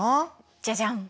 じゃじゃん！